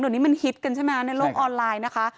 เดี๋ยวนี้มันฮิตกันใช่ไหมในโลกออนไลน์นะคะ